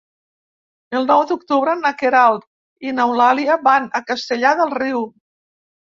El nou d'octubre na Queralt i n'Eulàlia van a Castellar del Riu.